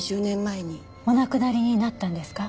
お亡くなりになったんですか？